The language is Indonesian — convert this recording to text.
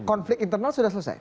konflik internal sudah selesai